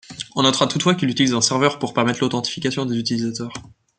On notera toutefois qu'il utilise un serveur pour permettre l'authentification des utilisateurs.